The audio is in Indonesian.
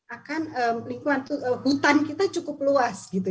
akan lingkungan hutan kita cukup luas gitu